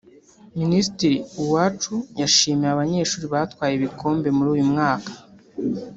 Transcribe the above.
Minisitiri Uwacu yashimiye abanyeshuri batwaye ibikombe muri uyu mwaka